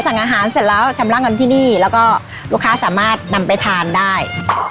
สั่งอาหารเสร็จแล้วชำระเงินที่นี่แล้วก็ลูกค้าสามารถนำไปทานได้